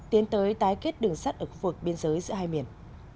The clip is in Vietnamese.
tiến tới tái kết đường sắt ở cuộc biên giới giữa hai miền